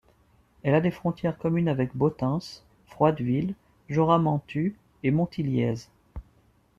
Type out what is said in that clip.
Elle a des frontières communes avec Bottens, Froideville, Jorat-Menthue et Montilliez.